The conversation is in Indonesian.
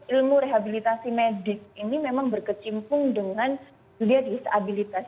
ilmu rehabilitasi medik ini memang berkecimpung dengan dunia disabilitas